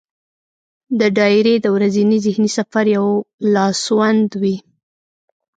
دا ډایري د ورځني ذهني سفر یو لاسوند وي.